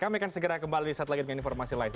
kami akan segera kembali saat lagi dengan informasi lain